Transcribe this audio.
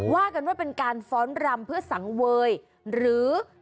ว่ากันว่าเป็นการฟ้อนรำเพื่อสังเวยหรือ